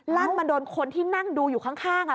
มาโดนคนที่นั่งดูอยู่ข้าง